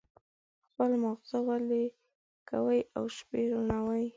خپل مازغه ویلي کوي او شپې روڼوي.